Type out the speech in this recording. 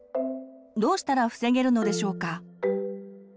どうしたら防げるのでしょうか？